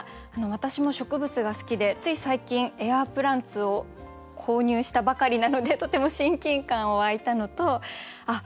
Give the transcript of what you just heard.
私も植物が好きでつい最近エアープランツを購入したばかりなのでとても親近感湧いたのとあっ